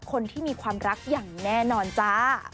คนที่มีความรักอย่างแน่นอนจ้า